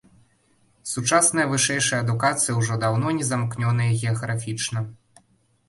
Сучасная вышэйшая адукацыя ўжо даўно не замкнёная геаграфічна.